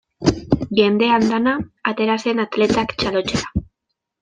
Jende andana atera zen atletak txalotzera.